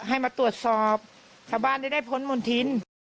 ให้มาตรวจสอบชาวบ้านได้ได้พ้นหมุนทิ้น